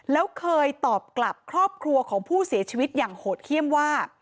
แล้วเคยตอบกลับครอบครัวของผู้เสียชีวิตอย่างโหดเยี่ยมว่า